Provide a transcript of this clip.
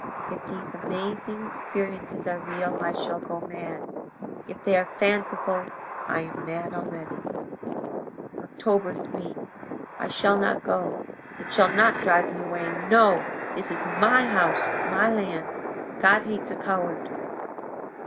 If these amazing experiences are real I shall go mad; if they are fanciful I am mad already. "Oct. 3.—I shall not go—it shall not drive me away. No, this is my house, my land. God hates a coward....